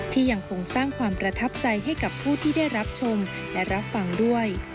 ยังคงสร้างความประทับใจให้กับผู้ที่ได้รับชมและรับฟังด้วย